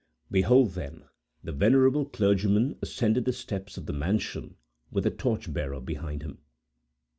'" Behold, then, the venerable clergyman ascending the steps of the mansion, with a torch bearer behind him.